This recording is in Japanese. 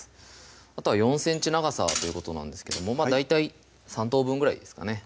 あとは４ｃｍ長さということなんですけども大体３等分ぐらいですかね